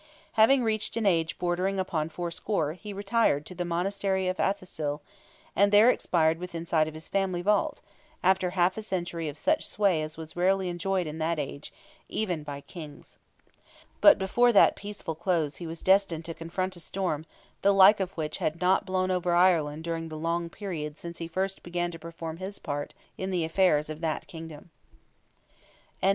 Having reached an age bordering upon fourscore he retired to the Monastery of Athassil, and there expired within sight of his family vault, after half a century of such sway as was rarely enjoyed in that age, even by Kings. But before that peaceful close he was destined to confront a storm the like of which had not blown over Ireland during the long period since he first began to perform his part in the affairs of that kingdom. CHAPTER II.